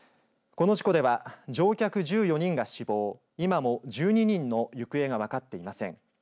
この事故では乗客１４人が死亡今も１２人の行方が分かっていません。